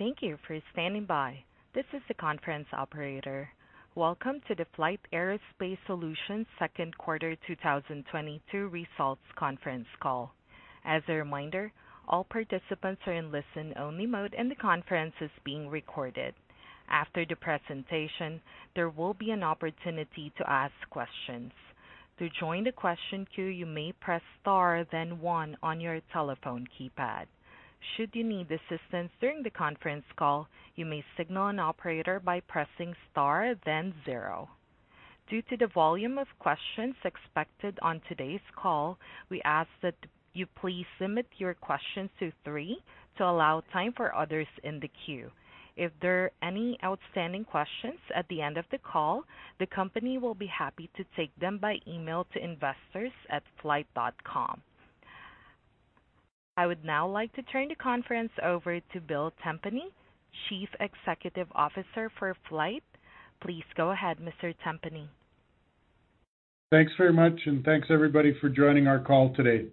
Thank you for standing by. This is the conference operator. Welcome to the FLYHT Aerospace Solutions Q2 2022 results conference call. As a reminder, all participants are in listen-only mode, and the conference is being recorded. After the presentation, there will be an opportunity to ask questions. To join the question queue, you may press star, then one on your telephone keypad. Should you need assistance during the conference call, you may signal an operator by pressing star, then zero. Due to the volume of questions expected on today's call, we ask that you please limit your questions to three to allow time for others in the queue. If there are any outstanding questions at the end of the call, the company will be happy to take them by email to investors@flyht.com. I would now like to turn the conference over to Bill Tempany, Chief Executive Officer for FLYHT. Please go ahead, Mr. Tempany. Thanks very much, and thanks everybody for joining our call today.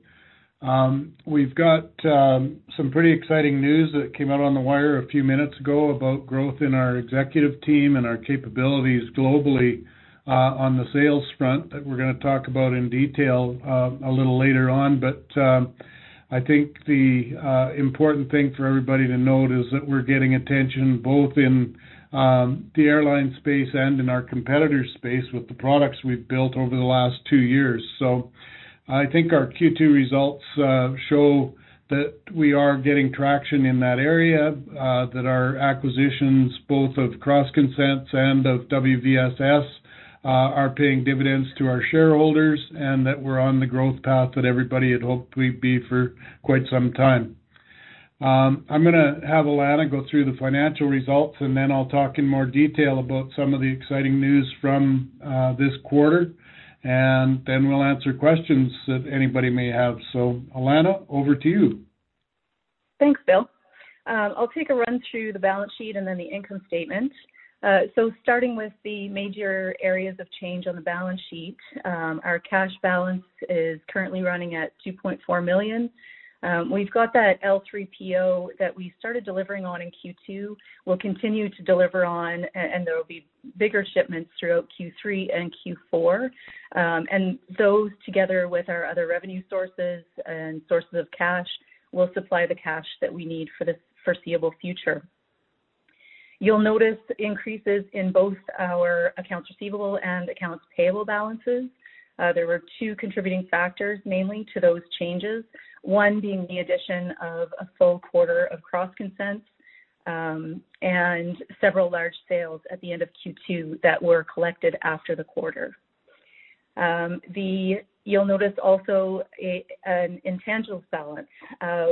We've got some pretty exciting news that came out on the wire a few minutes ago about growth in our executive team and our capabilities globally, on the sales front that we're gonna talk about in detail, a little later on. I think the important thing for everybody to note is that we're getting attention both in the airline space and in our competitor space with the products we've built over the last two years. I think our Q2 results show that we are getting traction in that area, that our acquisitions, both of CrossConsents and of WVSS, are paying dividends to our shareholders, and that we're on the growth path that everybody had hoped we'd be for quite some time. I'm gonna have Alana go through the financial results, and then I'll talk in more detail about some of the exciting news from this quarter, and then we'll answer questions that anybody may have. Alana, over to you. Thanks, Bill. I'll take a run through the balance sheet and then the income statement. Starting with the major areas of change on the balance sheet, our cash balance is currently running at 2.4 million. We've got that large PO that we started delivering on in Q2. We'll continue to deliver on, and there will be bigger shipments throughout Q3 and Q4. Those, together with our other revenue sources and sources of cash, will supply the cash that we need for the foreseeable future. You'll notice increases in both our accounts receivable and accounts payable balances. There were two contributing factors mainly to those changes. One being the addition of a full quarter of CrossConsents, and several large sales at the end of Q2 that were collected after the quarter. You'll notice also an intangibles balance.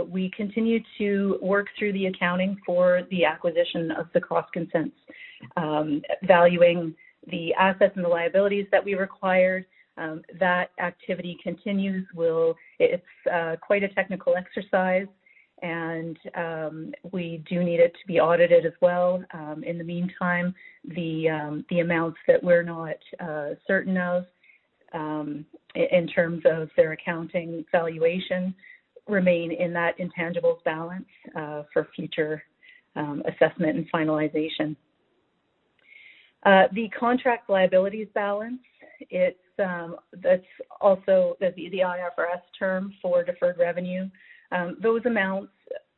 We continue to work through the accounting for the acquisition of the CrossConsents, valuing the assets and the liabilities that we required. That activity continues. It's quite a technical exercise and we do need it to be audited as well. In the meantime, the amounts that we're not certain of in terms of their accounting valuation remain in that intangibles balance for future assessment and finalization. The contract liabilities balance, it's that's also the IFRS term for deferred revenue. Those amounts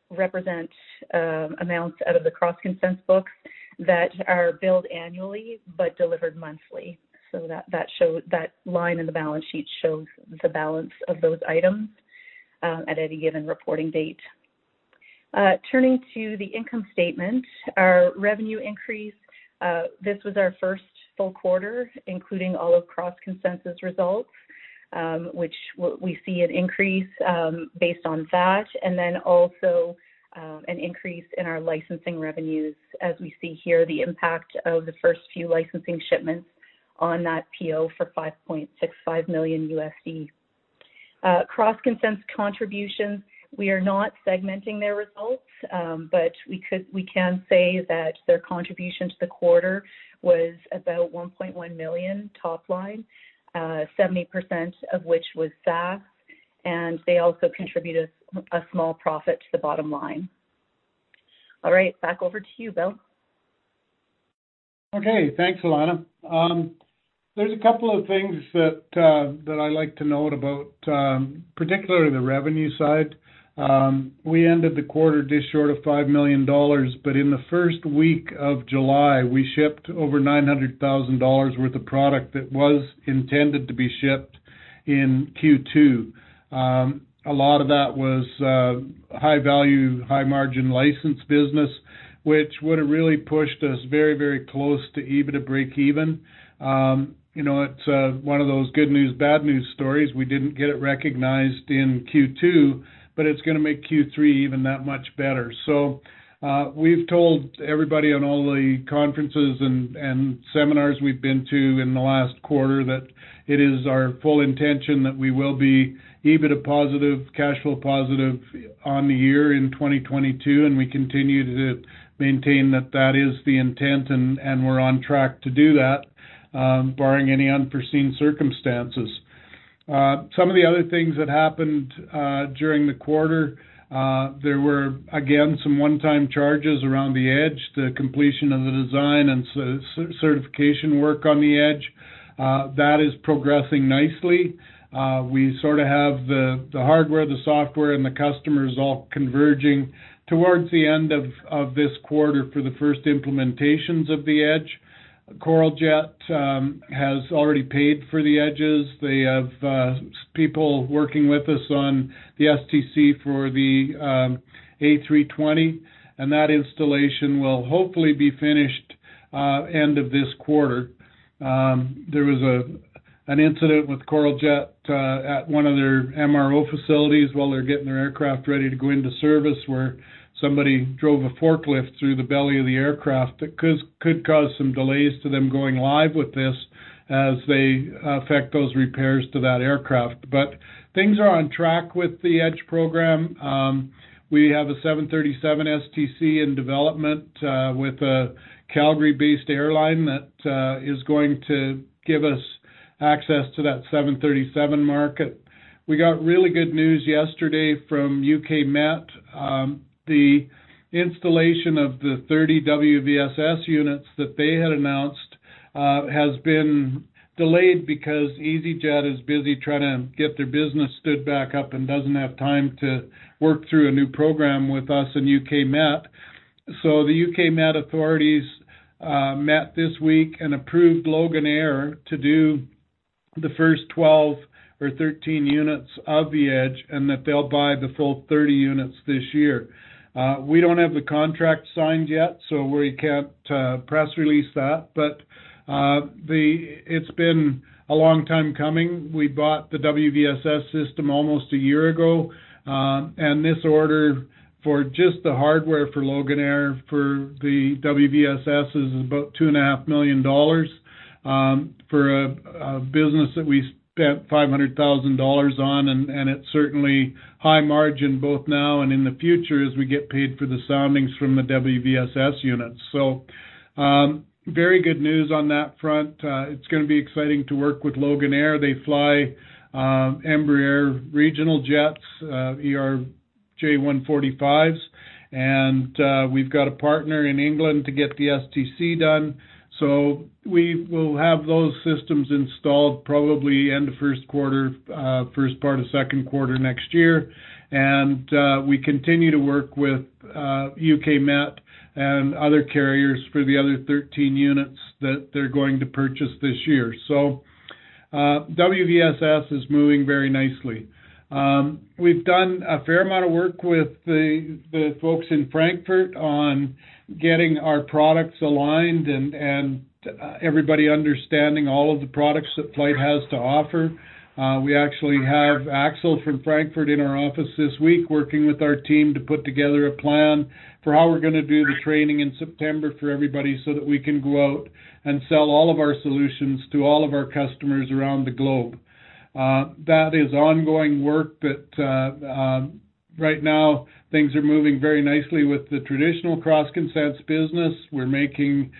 represent amounts out of the CrossConsents books that are billed annually but delivered monthly. That line in the balance sheet shows the balance of those items at any given reporting date. Turning to the income statement, our revenue increase, this was our first full quarter, including all of CrossConsents' results, which we see an increase based on that, and then also an increase in our licensing revenues as we see here the impact of the first few licensing shipments on that PO for $5.65 million. CrossConsents' contributions, we are not segmenting their results, but we can say that their contribution to the quarter was about 1.1 million top line, 70% of which was SaaS, and they also contributed a small profit to the bottom line. All right, back over to you, Bill. Okay. Thanks, Alana. There's a couple of things that I like to note about, particularly the revenue side. We ended the quarter just short of 5 million dollars. In the first week of July, we shipped over 900,000 dollars worth of product that was intended to be shipped in Q2. A lot of that was high value, high margin license business, which would've really pushed us very, very close to EBITDA breakeven. You know, it's one of those good news, bad news stories. We didn't get it recognized in Q2. It's gonna make Q3 even that much better. We've told everybody on all the conferences and seminars we've been to in the last quarter that it is our full intention that we will be EBITDA positive, cash flow positive on the year in 2022, and we continue to maintain that is the intent and we're on track to do that, barring any unforeseen circumstances. Some of the other things that happened during the quarter, there were, again, some one-time charges around the Edge, the completion of the design and certification work on the Edge. That is progressing nicely. We sort of have the hardware, the software, and the customers all converging towards the end of this quarter for the first implementations of the Edge. Coral Jet has already paid for the Edges. They have people working with us on the STC for the A320, and that installation will hopefully be finished end of this quarter. There was an incident with Coral Jet at one of their MRO facilities while they're getting their aircraft ready to go into service, where somebody drove a forklift through the belly of the aircraft. That could cause some delays to them going live with this as they effect those repairs to that aircraft. Things are on track with the Edge program. We have a 737 STC in development with a Calgary-based airline that is going to give us access to that 737 market. We got really good news yesterday from UK Met Office. The installation of the 30 WVSS units that they had announced has been delayed because easyJet is busy trying to get their business stood back up and doesn't have time to work through a new program with us and UK Met. The UK Met authorities met this week and approved Loganair to do the first 12 or 13 units of the Edge, and that they'll buy the full 30 units this year. We don't have the contract signed yet, so we can't press release that. It's been a long time coming. We bought the WVSS system almost a year ago, and this order for just the hardware for Loganair for the WVSS is about 2.5 million dollars, for a business that we spent 500,000 dollars on, and it's certainly high margin both now and in the future as we get paid for the soundings from the WVSS units. Very good news on that front. It's gonna be exciting to work with Loganair. They fly Embraer regional jets, ERJ 145s, and we've got a partner in England to get the STC done. We will have those systems installed probably end of Q1, first part of Q2 next year. We continue to work with UK Met and other carriers for the other 13 units that they're going to purchase this year. WVSS is moving very nicely. We've done a fair amount of work with the folks in Frankfurt on getting our products aligned and everybody understanding all of the products that FLYHT has to offer. We actually have Axel from Frankfurt in our office this week working with our team to put together a plan for how we're gonna do the training in September for everybody, so that we can go out and sell all of our solutions to all of our customers around the globe. That is ongoing work, but right now things are moving very nicely with the traditional CrossConsents business. We're making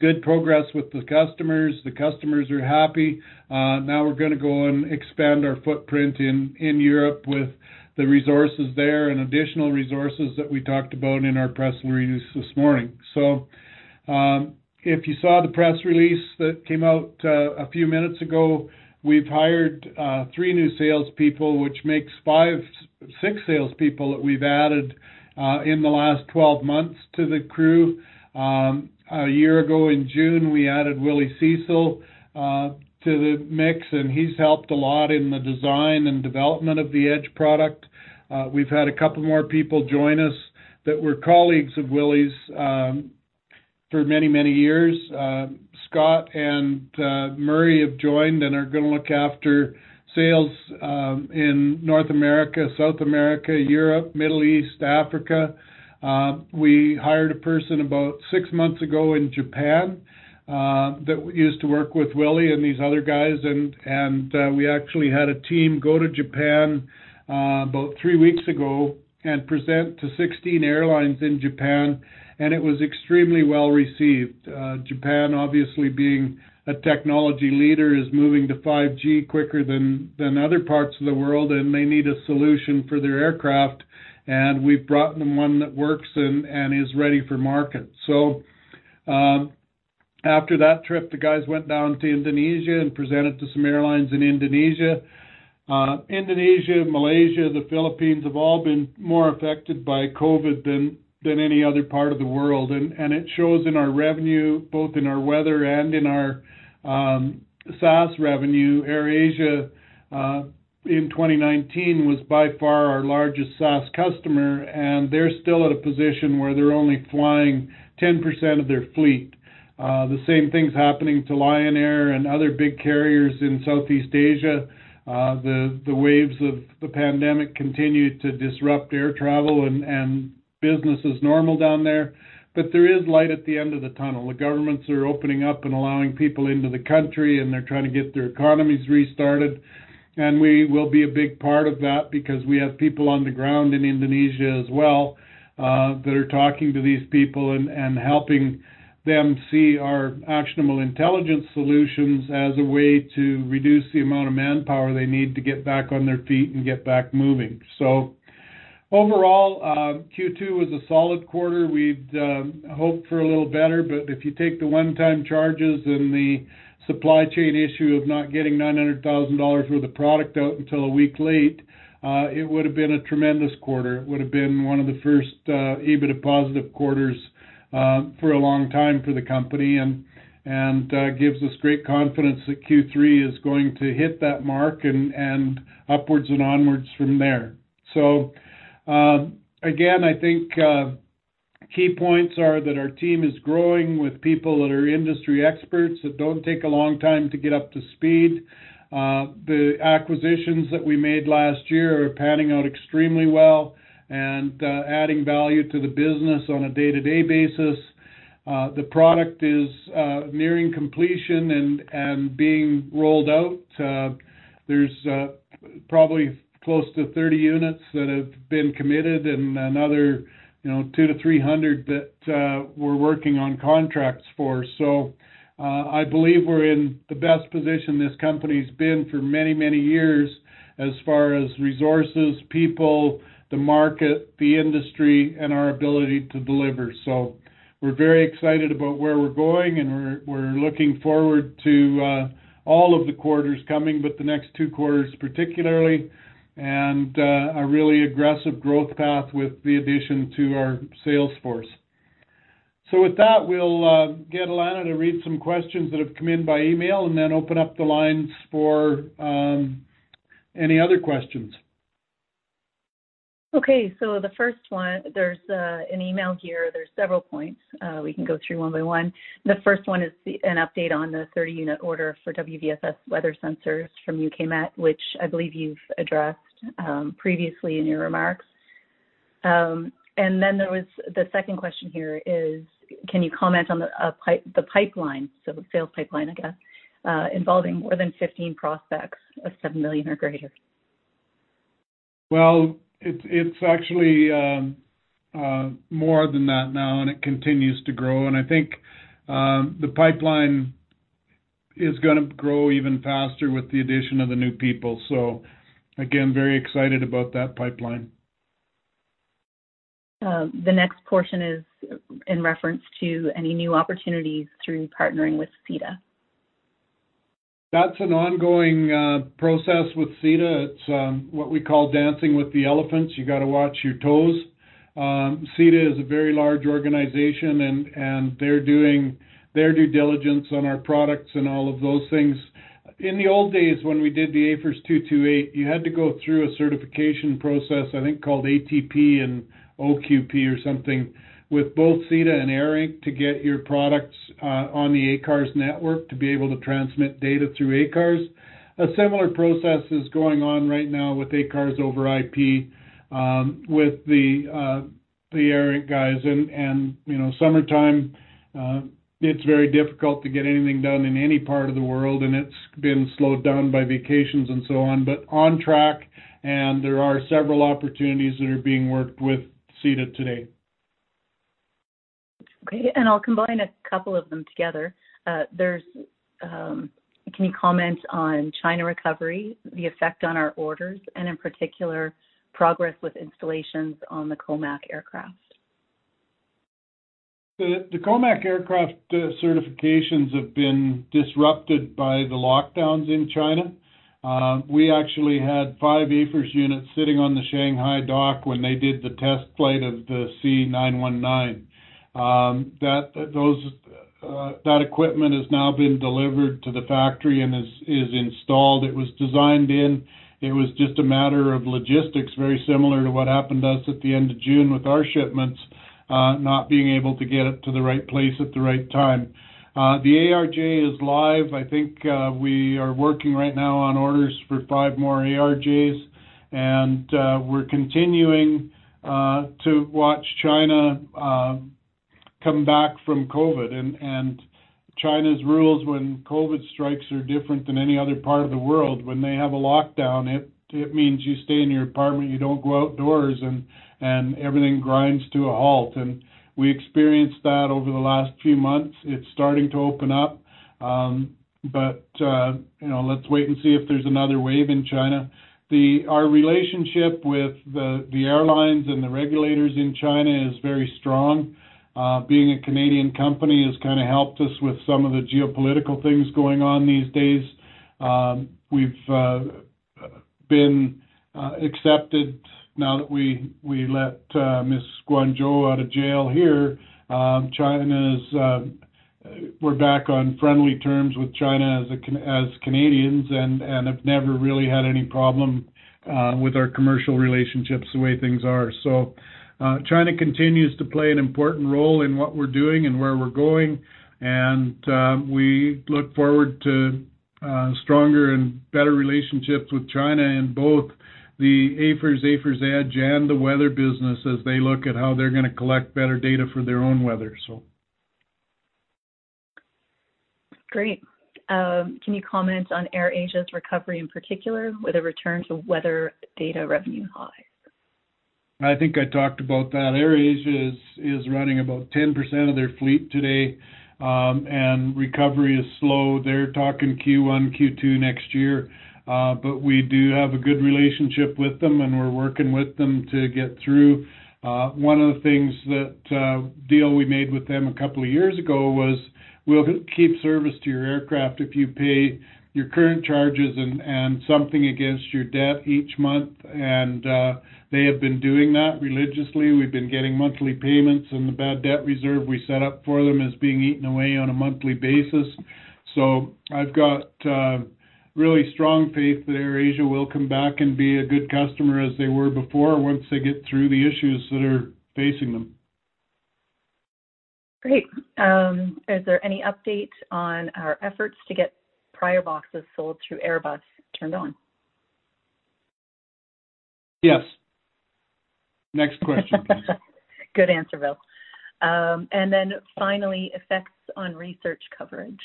good progress with the customers. The customers are happy. Now we're gonna go and expand our footprint in Europe with the resources there and additional resources that we talked about in our press release this morning. If you saw the press release that came out a few minutes ago, we've hired three new salespeople, which makes six salespeople that we've added in the last 12 months to the crew. A year ago in June, we added Willie Cecil to the mix, and he's helped a lot in the design and development of the Edge product. We've had a couple more people join us that were colleagues of Willie's for many, many years. Scott and Murray have joined and are gonna look after sales in North America, South America, Europe, Middle East, Africa. We hired a person about six months ago in Japan that used to work with Willie and these other guys, and we actually had a team go to Japan about three weeks ago and present to 16 airlines in Japan, and it was extremely well received. Japan obviously being a technology leader is moving to 5G quicker than other parts of the world and may need a solution for their aircraft, and we've brought them one that works and is ready for market. After that trip, the guys went down to Indonesia and presented to some airlines in Indonesia. Indonesia, Malaysia, the Philippines have all been more affected by COVID than any other part of the world and it shows in our revenue, both in our weather and in our SaaS revenue. AirAsia in 2019 was by far our largest SaaS customer, and they're still at a position where they're only flying 10% of their fleet. The same thing's happening to Lion Air and other big carriers in Southeast Asia. The waves of the pandemic continue to disrupt air travel and business as normal down there. There is light at the end of the tunnel. The governments are opening up and allowing people into the country, and they're trying to get their economies restarted. We will be a big part of that because we have people on the ground in Indonesia as well that are talking to these people and helping them see our actionable intelligence solutions as a way to reduce the amount of manpower they need to get back on their feet and get back moving. Overall, Q2 was a solid quarter. We'd hoped for a little better, but if you take the one-time charges and the supply chain issue of not getting 900 thousand dollars worth of product out until a week late, it would have been a tremendous quarter. It would have been one of the first EBITDA positive quarters for a long time for the company and gives us great confidence that Q3 is going to hit that mark and upwards and onwards from there. Again, I think key points are that our team is growing with people that are industry experts that don't take a long time to get up to speed. The acquisitions that we made last year are panning out extremely well and adding value to the business on a day-to-day basis. The product is nearing completion and being rolled out. There's probably close to 30 units that have been committed and another, you know, 200-300 that we're working on contracts for. I believe we're in the best position this company's been for many, many years as far as resources, people, the market, the industry, and our ability to deliver. We're very excited about where we're going, and we're looking forward to all of the quarters coming, but the next two quarters particularly, and a really aggressive growth path with the addition to our sales force. With that, we'll get Alana to read some questions that have come in by email and then open up the lines for any other questions. Okay. The first one, there's an email here. There's several points we can go through one by one. The first one is an update on the 30-unit order for WVSS-II weather sensors from Met Office, which I believe you've addressed previously in your remarks. The second question here is, can you comment on the pipeline, so the sales pipeline, I guess, involving more than 15 prospects of 7 million or greater? Well, it's actually more than that now, and it continues to grow. I think the pipeline is gonna grow even faster with the addition of the new people. Again, very excited about that pipeline. The next portion is in reference to any new opportunities through partnering with SITA. That's an ongoing process with SITA. It's what we call dancing with the elephants. You got to watch your toes. SITA is a very large organization, and they're doing their due diligence on our products and all of those things. In the old days, when we did the AFIRS 228, you had to go through a certification process, I think, called ATP and OQP or something with both SITA and ARINC to get your products on the ACARS network to be able to transmit data through ACARS. A similar process is going on right now with ACARS over IP with the ARINC guys. You know, summertime, it's very difficult to get anything done in any part of the world, and it's been slowed down by vacations and so on, but on track, and there are several opportunities that are being worked with SITA today. Okay. I'll combine a couple of them together. Can you comment on China recovery, the effect on our orders, and in particular, progress with installations on the Comac aircraft? The Comac aircraft certifications have been disrupted by the lockdowns in China. We actually had five AFIRS units sitting on the Shanghai dock when they did the test flight of the C919. That equipment has now been delivered to the factory and is installed. It was designed in. It was just a matter of logistics, very similar to what happened to us at the end of June with our shipments not being able to get it to the right place at the right time. The ARJ is live. I think we are working right now on orders for five more ARJs, and we're continuing to watch China come back from COVID. China's rules when COVID strikes are different than any other part of the world. When they have a lockdown, it means you stay in your apartment, you don't go outdoors, and everything grinds to a halt. We experienced that over the last few months. It's starting to open up, but you know, let's wait and see if there's another wave in China. Our relationship with the airlines and the regulators in China is very strong. Being a Canadian company has kinda helped us with some of the geopolitical things going on these days. We've been accepted now that we let Ms. Meng Wanzhou out of jail here. We're back on friendly terms with China as Canadians and have never really had any problem with our commercial relationships the way things are. China continues to play an important role in what we're doing and where we're going. We look forward to stronger and better relationships with China in both the AFIRS Edge and the weather business as they look at how they're gonna collect better data for their own weather. Great. Can you comment on AirAsia's recovery in particular with a return to weather data revenue high? I think I talked about that. AirAsia is running about 10% of their fleet today. Recovery is slow. They're talking Q1, Q2 next year. We do have a good relationship with them, and we're working with them to get through. One of the things that deal we made with them a couple of years ago was, we'll keep service to your aircraft if you pay your current charges and something against your debt each month. They have been doing that religiously. We've been getting monthly payments, and the bad debt reserve we set up for them is being eaten away on a monthly basis. I've got really strong faith that AirAsia will come back and be a good customer as they were before once they get through the issues that are facing them. Great. Is there any update on our efforts to get prior boxes sold through Airbus turned on? Yes. Next question please. Good answer, Bill. Finally, effects on research coverage.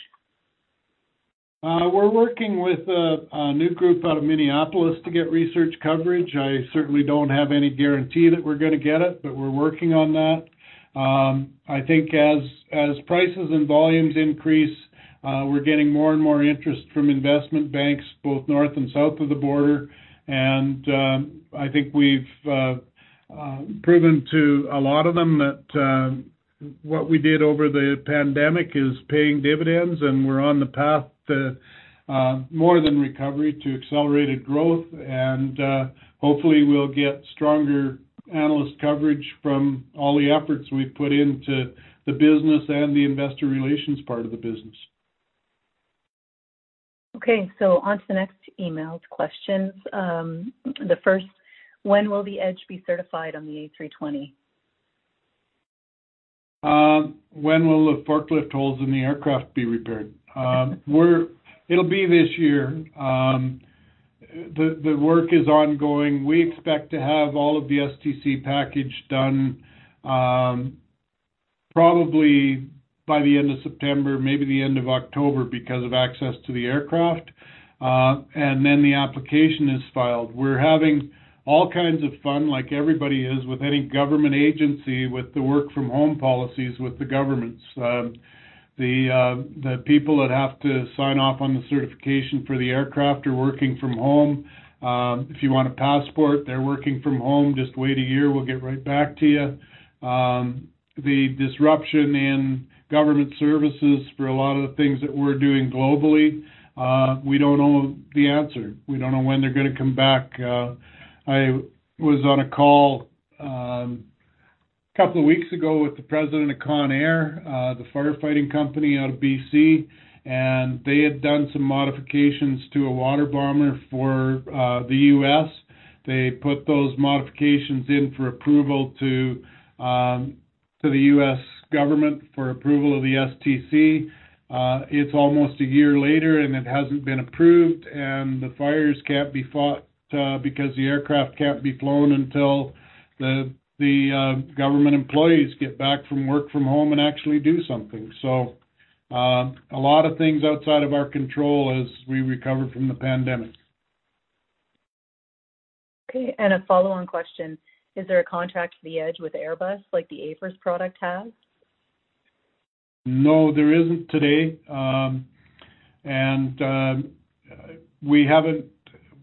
We're working with a new group out of Minneapolis to get research coverage. I certainly don't have any guarantee that we're gonna get it, but we're working on that. I think as prices and volumes increase, we're getting more and more interest from investment banks both north and south of the border. I think we've proven to a lot of them that what we did over the pandemic is paying dividends, and we're on the path to more than recovery to accelerated growth. Hopefully, we'll get stronger analyst coverage from all the efforts we've put into the business and the investor relations part of the business. Okay. On to the next emailed questions. The first, when will the Edge be certified on the A320? When will the forklift holes in the aircraft be repaired? It'll be this year. The work is ongoing. We expect to have all of the STC package done, probably by the end of September, maybe the end of October because of access to the aircraft. Then the application is filed. We're having all kinds of fun like everybody is with any government agency with the work from home policies with the governments. The people that have to sign off on the certification for the aircraft are working from home. If you want a passport, they're working from home. Just wait a year, we'll get right back to you. The disruption in government services for a lot of the things that we're doing globally, we don't know the answer. We don't know when they're gonna come back. I was on a call a couple of weeks ago with the president of Conair, the firefighting company out of BC, and they had done some modifications to a water bomber for the US. They put those modifications in for approval to the US government for approval of the STC. It's almost a year later, and it hasn't been approved, and the fires can't be fought because the aircraft can't be flown until the government employees get back from work from home and actually do something. A lot of things outside of our control as we recover from the pandemic. Okay, a follow-on question. Is there a contract for the Edge with Airbus like the AFIRS product has? No, there isn't today.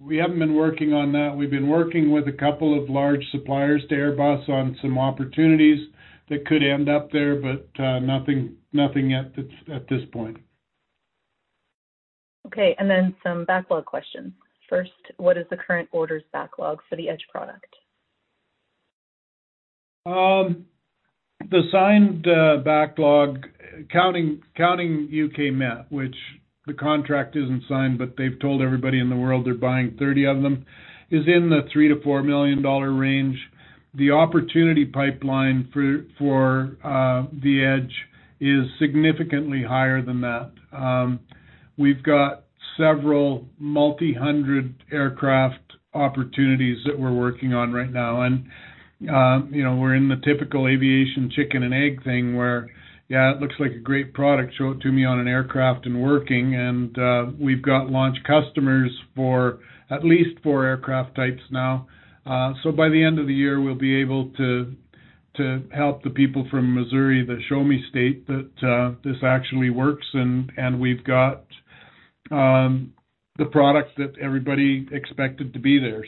We haven't been working on that. We've been working with a couple of large suppliers to Airbus on some opportunities that could end up there, but nothing yet at this point. Okay, some backlog questions. First, what is the current orders backlog for the Edge product? The signed backlog counting UK Met, which the contract isn't signed, but they've told everybody in the world they're buying 30 of them, is in the 3 million-4 million dollar range. The opportunity pipeline for the Edge is significantly higher than that. We've got several multi-hundred aircraft opportunities that we're working on right now. You know, we're in the typical aviation chicken and egg thing where, "Yeah, it looks like a great product. Show it to me on an aircraft and working." We've got launch customers for at least 4 aircraft types now. By the end of the year, we'll be able to help the people from Missouri, the Show Me State, that this actually works, and we've got the products that everybody expected to be there.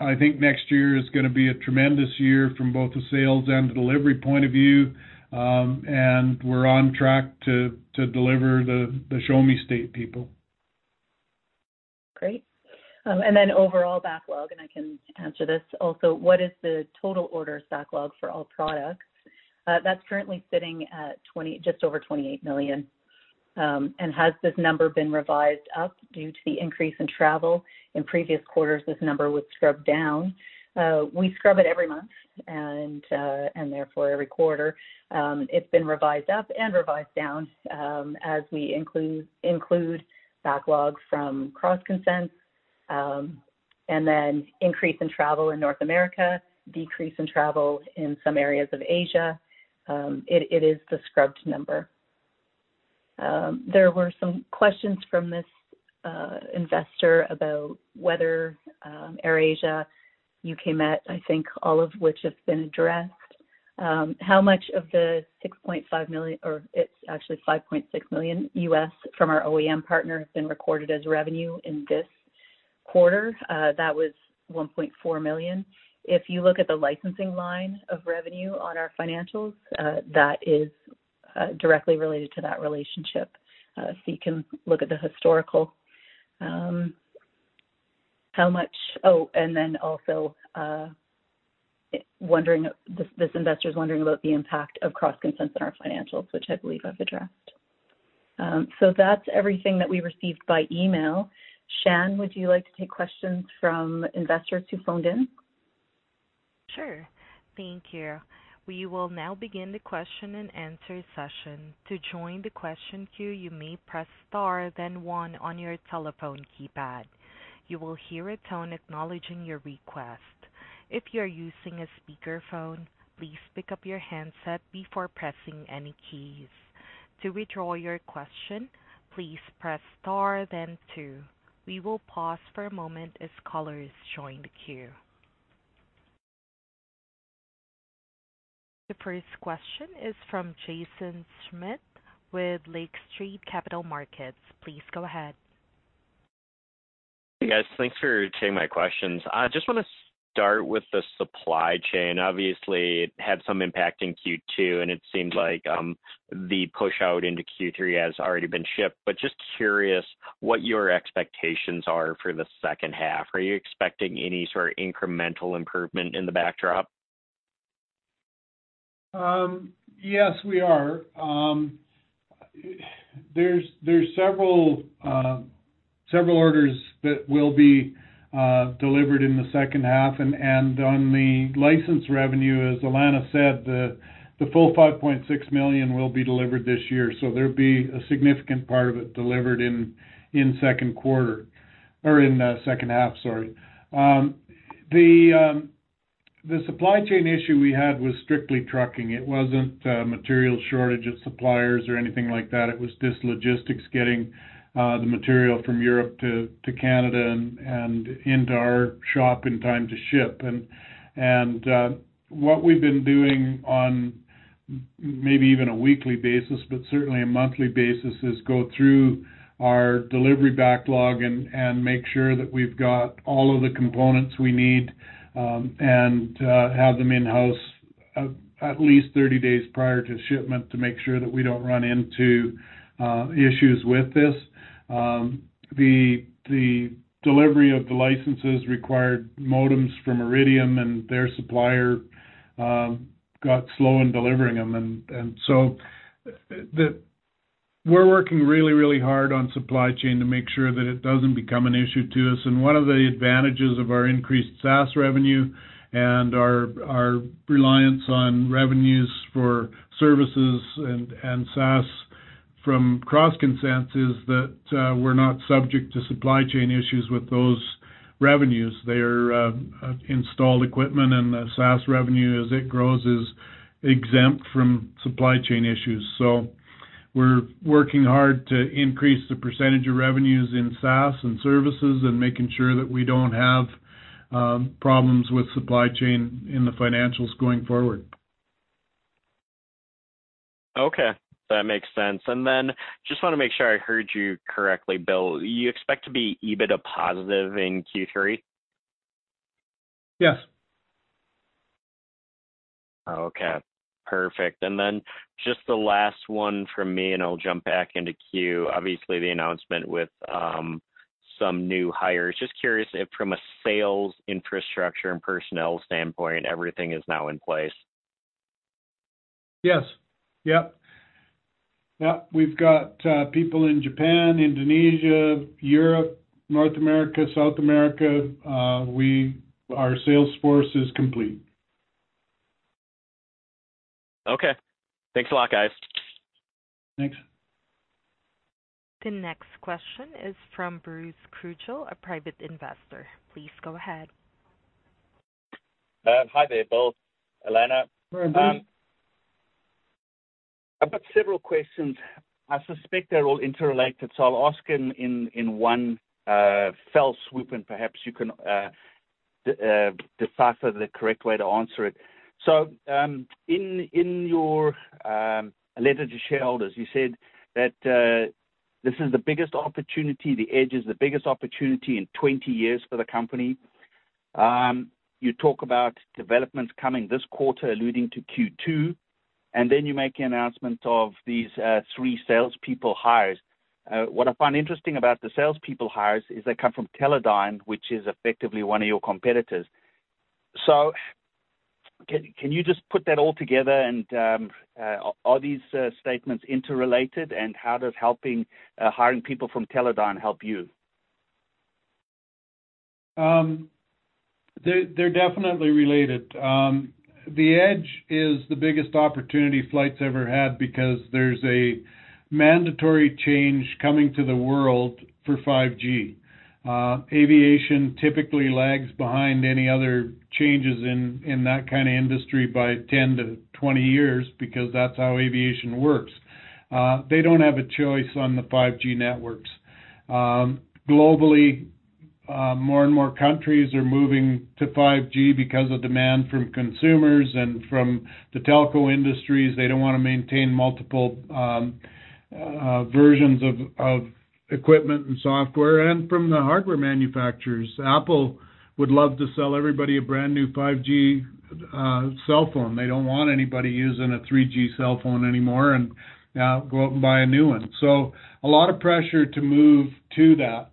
I think next year is gonna be a tremendous year from both the sales and the delivery point of view. We're on track to deliver the Show Me State people. Great. Overall backlog, and I can answer this also. What is the total order backlog for all products? That's currently sitting at just over 28 million. Has this number been revised up due to the increase in travel? In previous quarters, this number was scrubbed down. We scrub it every month and therefore every quarter. It's been revised up and revised down, as we include backlogs from CrossConsents and increase in travel in North America, decrease in travel in some areas of Asia, it is the scrubbed number. There were some questions from this investor about whether, AirAsia, Met Office, I think all of which have been addressed. How much of the $6.5 million or it's actually $5.6 million from our OEM partner has been recorded as revenue in this quarter? That was $1.4 million. If you look at the licensing line of revenue on our financials, that is directly related to that relationship. You can look at the historical. This investor is wondering about the impact of CrossConsents in our financials, which I believe I've addressed. That's everything that we received by email. Sean, would you like to take questions from investors who phoned in? Sure. Thank you. We will now begin the question and answer session. To join the question queue, you may press Star, then one on your telephone keypad. You will hear a tone acknowledging your request. If you are using a speakerphone, please pick up your handset before pressing any keys. To withdraw your question, please press Star then two. We will pause for a moment as callers join the queue. The first question is from Jaeson Schmidt with Lake Street Capital Markets. Please go ahead. Hey, guys. Thanks for taking my questions. I just wanna start with the supply chain. Obviously, it had some impact in Q2, and it seems like the push out into Q3 has already been shipped. Just curious what your expectations are for the second half. Are you expecting any sort of incremental improvement in the backdrop? Yes, we are. There are several orders that will be delivered in the second half. On the license revenue, as Alana said, the full $5.6 million will be delivered this year. There'll be a significant part of it delivered in Q2 or in the second half, sorry. The supply chain issue we had was strictly trucking. It wasn't material shortage of suppliers or anything like that. It was just logistics getting the material from Europe to Canada and into our shop in time to ship. What we've been doing on maybe even a weekly basis, but certainly a monthly basis, is go through our delivery backlog and make sure that we've got all of the components we need and to have them in-house at least 30 days prior to shipment to make sure that we don't run into issues with this. The delivery of the licenses required modems from Iridium and their supplier got slow in delivering them. We're working really hard on supply chain to make sure that it doesn't become an issue to us. One of the advantages of our increased SaaS revenue and our reliance on revenues for services and SaaS from CrossConsents that we're not subject to supply chain issues with those revenues. They are installed equipment, and the SaaS revenue, as it grows, is exempt from supply chain issues. We're working hard to increase the percentage of revenues in SaaS and services and making sure that we don't have problems with supply chain in the financials going forward. Okay, that makes sense. Just wanna make sure I heard you correctly, Bill. You expect to be EBITDA positive in Q3? Yes. Okay, perfect. Just the last one from me, and I'll jump back into queue. Obviously, the announcement with some new hires. Just curious if from a sales infrastructure and personnel standpoint, everything is now in place. Yes. Yep. We've got people in Japan, Indonesia, Europe, North America, South America. Our sales force is complete. Okay. Thanks a lot, guys. Thanks. The next question is from Bruce Krushel, a private investor. Please go ahead. Hi there, Bill, Alana. Hi, Bruce. I've got several questions. I suspect they're all interrelated, so I'll ask in one fell swoop, and perhaps you can decipher the correct way to answer it. In your letter to shareholders, you said that this is the biggest opportunity, the edge is the biggest opportunity in 20 years for the company. You talk about developments coming this quarter alluding to Q2, and then you make an announcement of these three salespeople hires. What I find interesting about the salespeople hires is they come from Teledyne, which is effectively one of your competitors. Can you just put that all together and are these statements interrelated and how does hiring people from Teledyne help you? They're definitely related. The Edge is the biggest opportunity FLYHT ever had because there's a mandatory change coming to the world for 5G. Aviation typically lags behind any other changes in that kind of industry by 10-20 years because that's how aviation works. They don't have a choice on the 5G networks. Globally, more and more countries are moving to 5G because of demand from consumers and from the telco industries. They don't wanna maintain multiple versions of equipment and software, and from the hardware manufacturers. Apple would love to sell everybody a brand-new 5G cell phone. They don't want anybody using a 3G cell phone anymore, and now go out and buy a new one. A lot of pressure to move to that.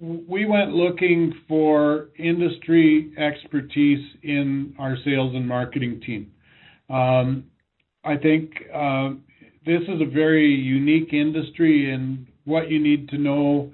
We went looking for industry expertise in our sales and marketing team. I think this is a very unique industry in what you need to know,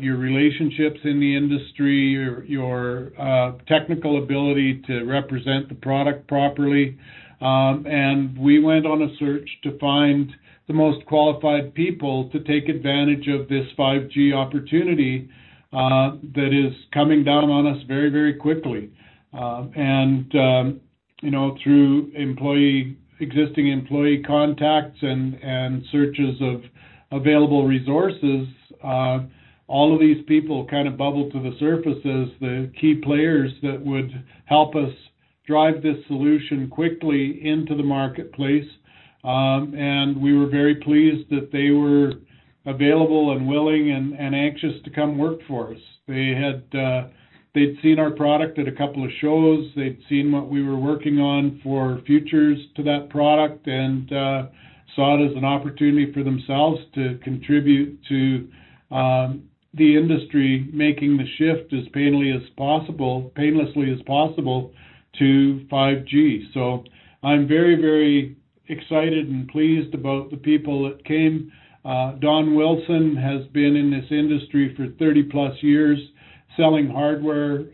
your relationships in the industry, your technical ability to represent the product properly. We went on a search to find the most qualified people to take advantage of this 5G opportunity that is coming down on us very, very quickly. You know, through existing employee contacts and searches of available resources, all of these people kind of bubbled to the surface as the key players that would help us drive this solution quickly into the marketplace. We were very pleased that they were available and willing and anxious to come work for us. They had, they'd seen our product at a couple of shows. They'd seen what we were working on for futures to that product and saw it as an opportunity for themselves to contribute to the industry making the shift as painlessly as possible to 5G. I'm very, very excited and pleased about the people that came. Don Wilson has been in this industry for 30+ years, selling hardware,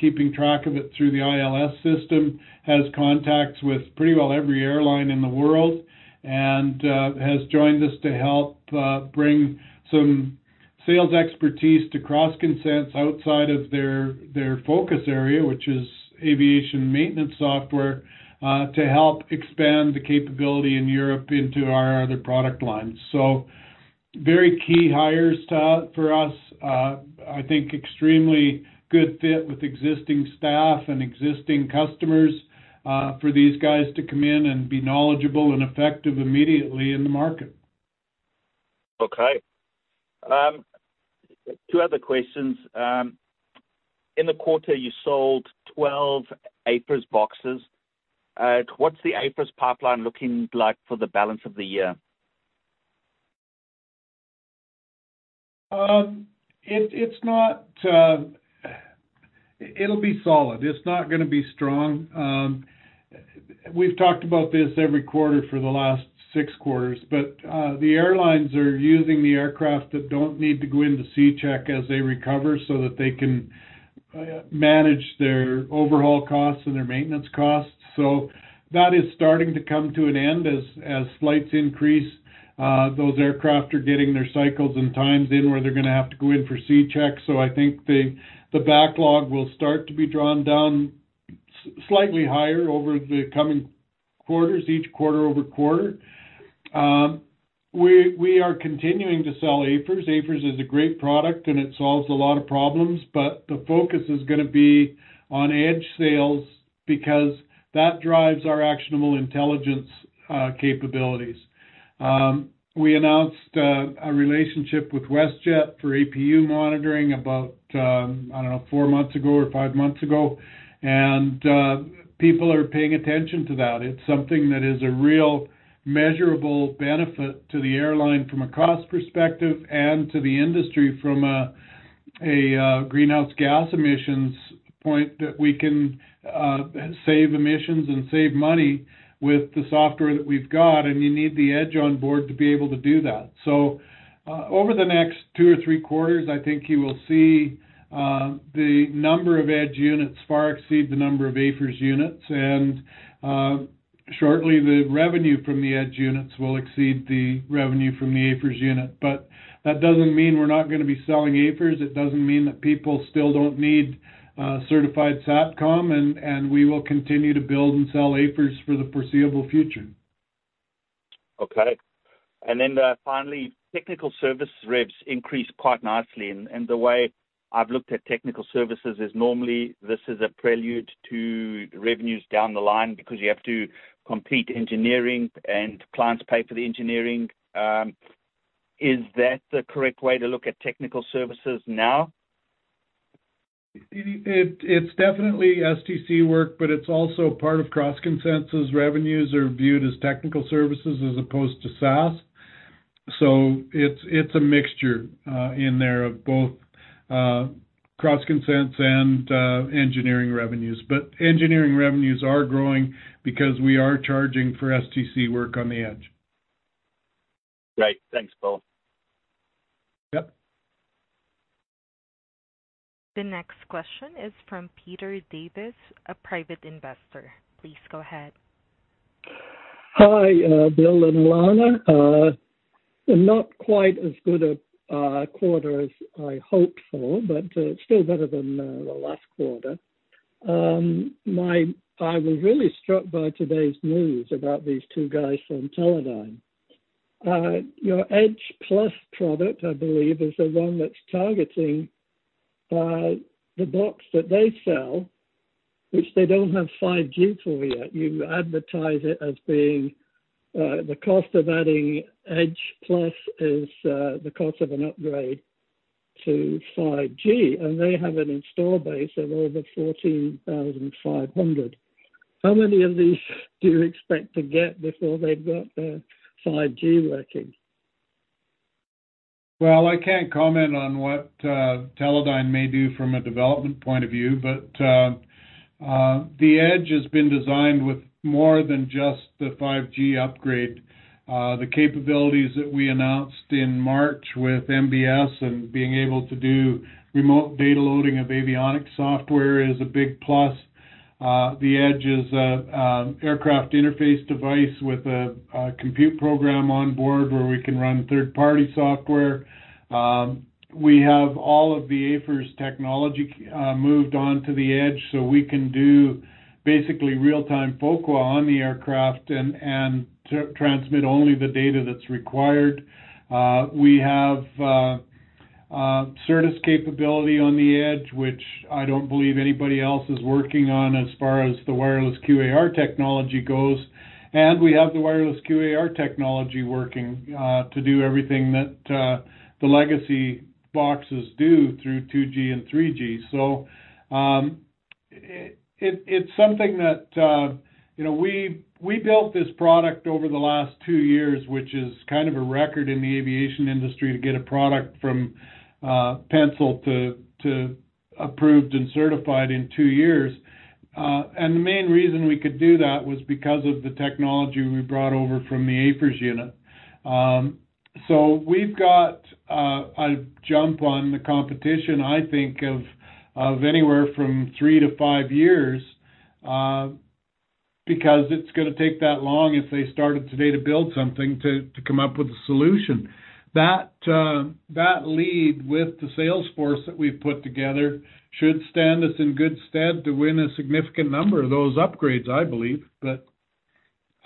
keeping track of it through the ILS system, has contacts with pretty well every airline in the world, and has joined us to help bring some sales expertise to CrossConsents outside of their focus area, which is aviation maintenance software, to help expand the capability in Europe into our other product lines. Very key hires for us. I think extremely good fit with existing staff and existing customers, for these guys to come in and be knowledgeable and effective immediately in the market. Okay. Two other questions. In the quarter you sold 12 AFIRS boxes. What's the AFIRS pipeline looking like for the balance of the year? It'll be solid. It's not gonna be strong. We've talked about this every quarter for the last six quarters, but the airlines are using the aircraft that don't need to go into C check as they recover so that they can manage their overhaul costs and their maintenance costs. That is starting to come to an end as flights increase, those aircraft are getting their cycles and times in where they're gonna have to go in for C checks. I think the backlog will start to be drawn down slightly higher over the coming quarters, each quarter-over-quarter. We are continuing to sell AFIRS. AFIRS is a great product, and it solves a lot of problems, but the focus is gonna be on Edge sales because that drives our actionable intelligence capabilities. We announced a relationship with WestJet for APU monitoring about, I don't know, 4 months ago or 5 months ago, and people are paying attention to that. It's something that is a real measurable benefit to the airline from a cost perspective and to the industry from a greenhouse gas emissions point that we can save emissions and save money with the software that we've got, and you need the Edge on board to be able to do that. Over the next 2 or 3 quarters, I think you will see the number of Edge units far exceed the number of AFIRS units, and shortly, the revenue from the Edge units will exceed the revenue from the AFIRS unit. That doesn't mean we're not gonna be selling AFIRS. It doesn't mean that people still don't need certified SATCOM and we will continue to build and sell AFIRS for the foreseeable future. Okay. Finally, technical service reps increased quite nicely, and the way I've looked at technical services is normally this is a prelude to revenues down the line because you have to complete engineering and clients pay for the engineering. Is that the correct way to look at technical services now? It's definitely STC work, but it's also part of CrossConsents revenues are viewed as technical services as opposed to SaaS. It's a mixture in there of both CrossConsents and engineering revenues. Engineering revenues are growing because we are charging for STC work on the Edge. Great. Thanks, Bill. Yep. The next question is from Peter Davis, a private investor. Please go ahead. Hi, Bill and Alana. Not quite as good a quarter as I hoped for, but still better than the last quarter. I was really struck by today's news about these two guys from Teledyne. Your Edge Plus product, I believe, is the one that's targeting the box that they sell, which they don't have 5G for yet. You advertise it as being the cost of adding Edge Plus is the cost of an upgrade to 5G, and they have an installed base of over 14,500. How many of these do you expect to get before they've got the 5G working? Well, I can't comment on what Teledyne may do from a development point of view, but the Edge has been designed with more than just the 5G upgrade. The capabilities that we announced in March with MBS and being able to do remote data loading of avionics software is a big plus. The Edge is a aircraft interface device with a compute program on board where we can run third-party software. We have all of the AFIRS technology moved on to the Edge, so we can do basically real-time FOQA on the aircraft and transmit only the data that's required. We have Certus capability on the Edge, which I don't believe anybody else is working on as far as the wireless QAR technology goes. We have the wireless QAR technology working to do everything that the legacy boxes do through 2G and 3G. It's something that you know we built this product over the last 2 years, which is kind of a record in the aviation industry to get a product from pencil to approved and certified in 2 years. The main reason we could do that was because of the technology we brought over from the AFIRS unit. We've got a jump on the competition, I think, of anywhere from 3 to 5 years, because it's gonna take that long if they started today to build something to come up with a solution. That lead with the sales force that we've put together should stand us in good stead to win a significant number of those upgrades, I believe.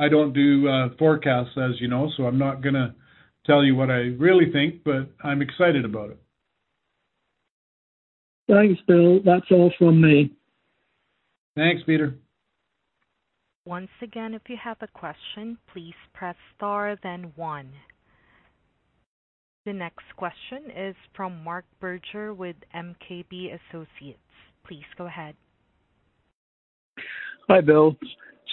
I don't do forecasts as you know, so I'm not gonna tell you what I really think, but I'm excited about it. Thanks, Bill. That's all from me. Thanks, Peter. Once again, if you have a question, please press Star then one. The next question is from Marc Berger with MKB & Associates. Please go ahead. Hi, Bill.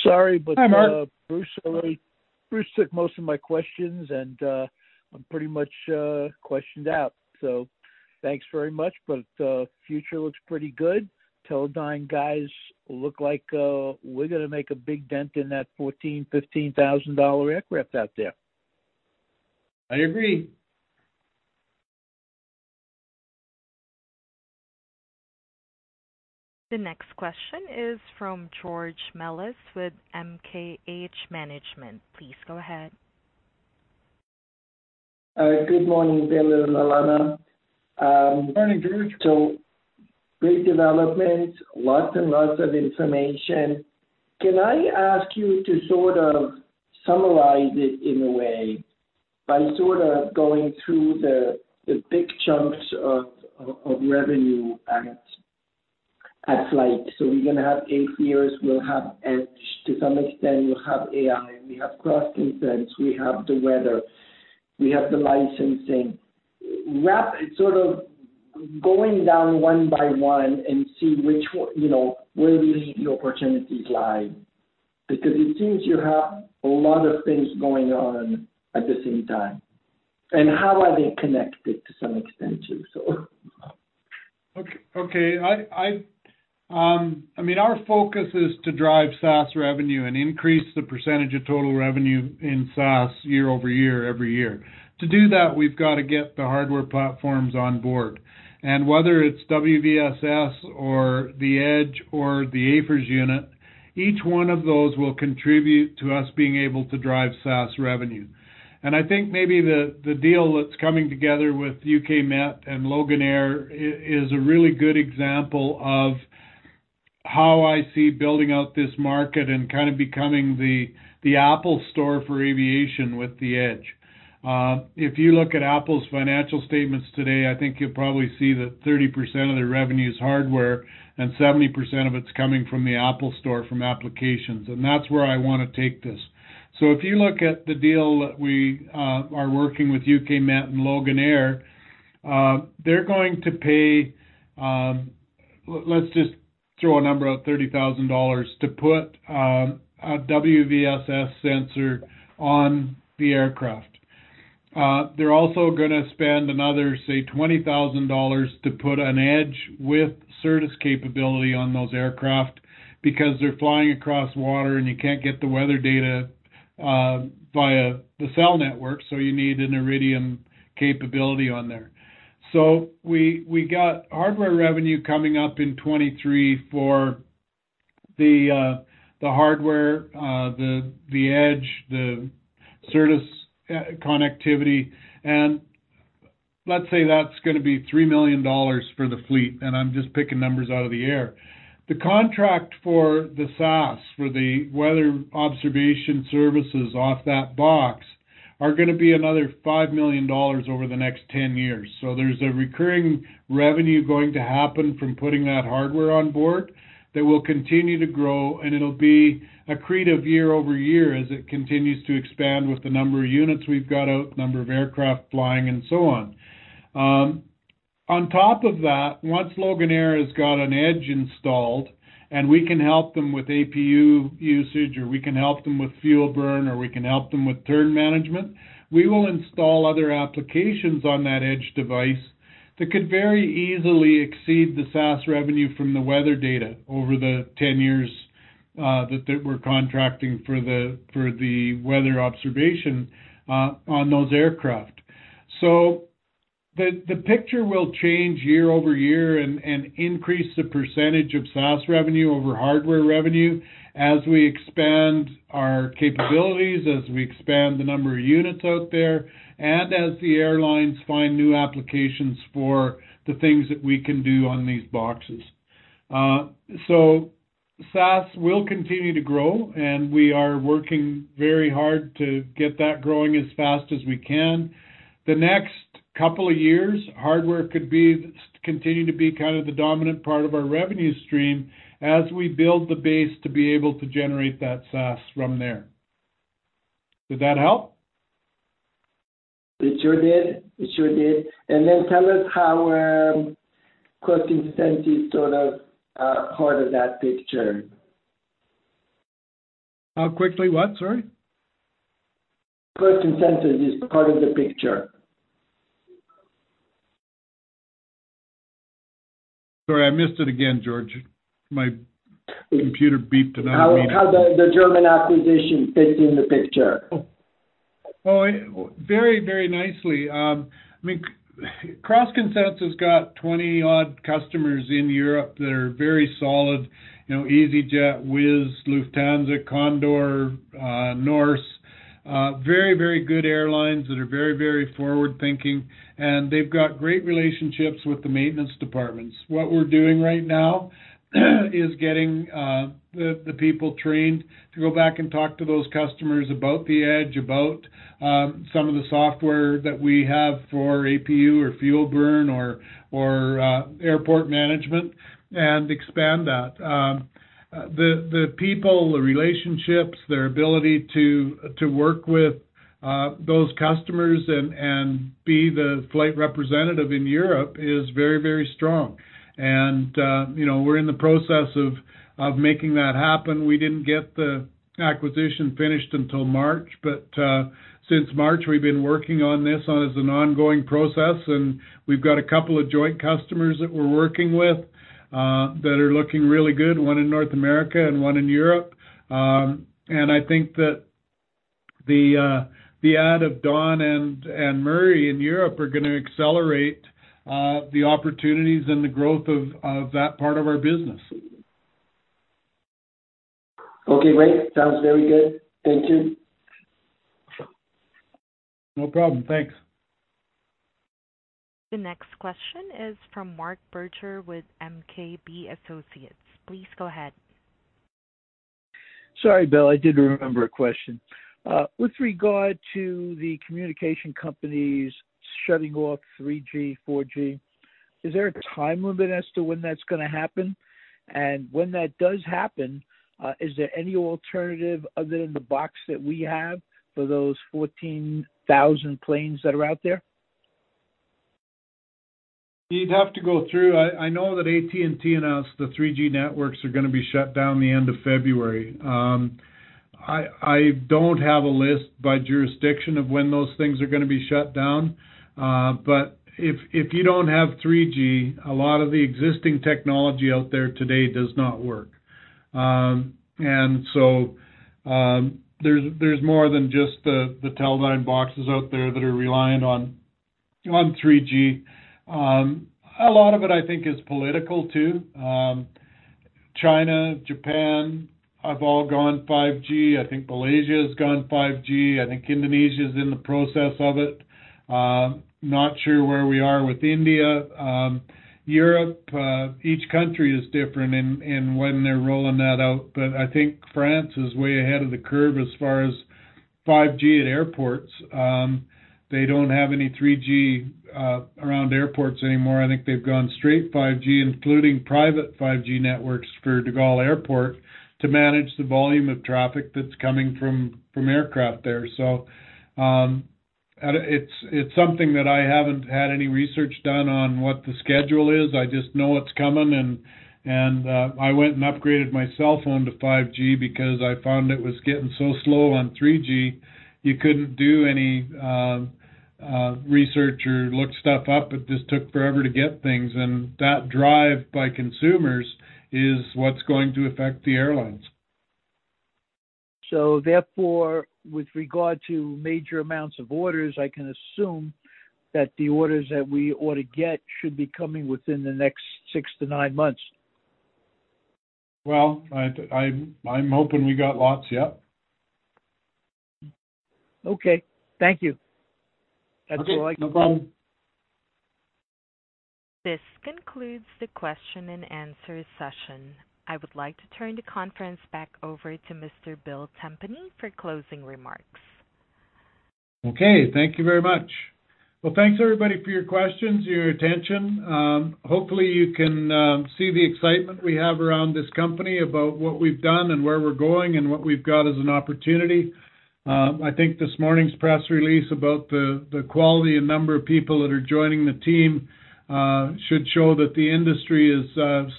Sorry, but Hi, Marc. Bruce took most of my questions and I'm pretty much questioned out. Thanks very much. Future looks pretty good. Teledyne guys look like we're gonna make a big dent in that $14,000-$15,000 aircraft out there. I agree. The next question is from George Melas with MKH Management. Please go ahead. Good morning, Bill and Alana. Morning, George. Great development. Lots and lots of information. Can I ask you to sort of summarize it in a way by sort of going through the big chunks of revenue at FLYHT? We're gonna have AFIRS, we'll have Edge. To some extent, we'll have AI, we have CrossConsents, we have the weather, we have the licensing. Wrap it, sort of going down one by one and see which one, you know, where the opportunities lie. Because it seems you have a lot of things going on at the same time. How are they connected to some extent too? Okay. I mean, our focus is to drive SaaS revenue and increase the percentage of total revenue in SaaS year over year, every year. To do that, we've got to get the hardware platforms on board. Whether it's WVSS or the Edge or the AFIRS unit, each one of those will contribute to us being able to drive SaaS revenue. I think maybe the deal that's coming together with UK Met Office and Loganair is a really good example of how I see building out this market and kind of becoming the Apple Store for aviation with the Edge. If you look at Apple's financial statements today, I think you'll probably see that 30% of their revenue is hardware and 70% of it's coming from the Apple Store from applications. That's where I wanna take this. If you look at the deal that we are working with Met Office and Loganair, they're going to pay, let's just throw a number out, 30,000 dollars to put a WVSS sensor on the aircraft. They're also gonna spend another, say, 20,000 dollars to put an Edge with Certus capability on those aircraft, because they're flying across water, and you can't get the weather data via the cell network, so you need an Iridium capability on there. We got hardware revenue coming up in 2023 for the hardware, the Edge, the Certus, connectivity. Let's say that's gonna be 3 million dollars for the fleet, and I'm just picking numbers out of the air. The contract for the SaaS, for the weather observation services off that box are gonna be another 5 million dollars over the next 10 years. There's a recurring revenue going to happen from putting that hardware on board that will continue to grow, and it'll be accretive year over year as it continues to expand with the number of units we've got out, number of aircraft flying and so on. On top of that, once Loganair has got an edge installed and we can help them with APU usage or we can help them with fuel burn or we can help them with turn management, we will install other applications on that edge device that could very easily exceed the SaaS revenue from the weather data over the 10 years that we're contracting for the weather observation on those aircraft. The picture will change year over year and increase the percentage of SaaS revenue over hardware revenue as we expand our capabilities, as we expand the number of units out there, and as the airlines find new applications for the things that we can do on these boxes. SaaS will continue to grow, and we are working very hard to get that growing as fast as we can. The next couple of years, hardware could continue to be kind of the dominant part of our revenue stream as we build the base to be able to generate that SaaS from there. Did that help? It sure did. Tell us how CrossConsents sort of part of that picture. How quickly what? Sorry. CrossConsents is part of the picture. Sorry, I missed it again, George. My computer beeped, and I'm reading. How the German acquisition fits in the picture? Oh, very, very nicely. I mean, CrossConsents got 20-odd customers in Europe that are very solid. You know, easyJet, Wizz Air, Lufthansa, Condor, Norse Atlantic Airways. Very, very good airlines that are very, very forward-thinking, and they've got great relationships with the maintenance departments. What we're doing right now is getting the people trained to go back and talk to those customers about the Edge, about some of the software that we have for APU or fuel burn or airport management and expand that. The people, the relationships, their ability to work with those customers and be the flight representative in Europe is very, very strong. You know, we're in the process of making that happen. We didn't get the acquisition finished until March, but since March, we've been working on this as an ongoing process, and we've got a couple of joint customers that we're working with that are looking really good, one in North America and one in Europe. I think that the addition of Don and Murray in Europe are gonna accelerate the opportunities and the growth of that part of our business. Okay, great. Sounds very good. Thank you. No problem. Thanks. The next question is from Mark Berger with MKB & Associates. Please go ahead. Sorry, Bill. I did remember a question. With regard to the communication companies shutting off 3G, 4G, is there a time limit as to when that's gonna happen? When that does happen, is there any alternative other than the box that we have for those 14,000 planes that are out there? You'd have to go through. I know that AT&T announced the 3G networks are gonna be shut down the end of February. I don't have a list by jurisdiction of when those things are gonna be shut down. If you don't have 3G, a lot of the existing technology out there today does not work. There's more than just the Teledyne boxes out there that are reliant on 3G. A lot of it I think is political too. China, Japan have all gone 5G. I think Malaysia has gone 5G. I think Indonesia is in the process of it. Not sure where we are with India. Europe, each country is different in when they're rolling that out. I think France is way ahead of the curve as far as 5G at airports. They don't have any 3G around airports anymore. I think they've gone straight 5G, including private 5G networks for De Gaulle Airport, to manage the volume of traffic that's coming from aircraft there. It's something that I haven't had any research done on what the schedule is. I just know it's coming and I went and upgraded my cell phone to 5G because I found it was getting so slow on 3G, you couldn't do any research or look stuff up. It just took forever to get things, and that drive by consumers is what's going to affect the airlines. With regard to major amounts of orders, I can assume that the orders that we ought to get should be coming within the next 6-9 months. Well, I'm hoping we got lots, yep. Okay. Thank you. That's all I got. Okay. No problem. This concludes the question and answer session. I would like to turn the conference back over to Mr. Bill Tempany for closing remarks. Okay. Thank you very much. Well, thanks everybody for your questions, your attention. Hopefully, you can see the excitement we have around this company about what we've done and where we're going and what we've got as an opportunity. I think this morning's press release about the quality and number of people that are joining the team should show that the industry is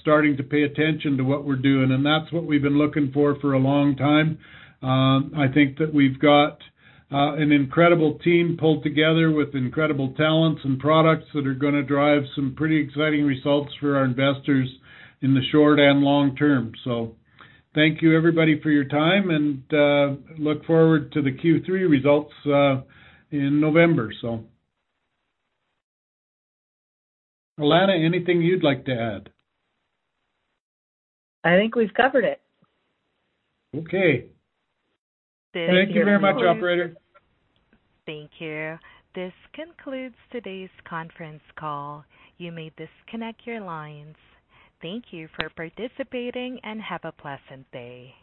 starting to pay attention to what we're doing. That's what we've been looking for for a long time. I think that we've got an incredible team pulled together with incredible talents and products that are gonna drive some pretty exciting results for our investors in the short and long term. Thank you everybody for your time and look forward to the Q3 results in November. Alana, anything you'd like to add? I think we've covered it. Okay. Thank you very much, operator. Thank you. This concludes today's conference call. You may disconnect your lines. Thank you for participating, and have a pleasant day.